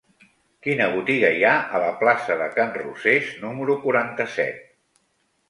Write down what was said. Quina botiga hi ha a la plaça de Can Rosés número quaranta-set?